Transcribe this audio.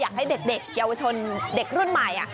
อยากให้เด็กเยาวชนเด็กรุ่นใหม่